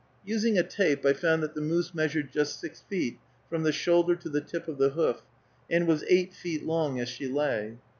Using a tape, I found that the moose measured just six feet from the shoulder to the tip of the hoof, and was eight feet long as she lay.